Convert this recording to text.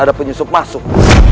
ada penyusup masuk